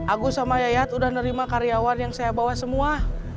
agus sama yayat udah nerima karyawan yang saya bawa semua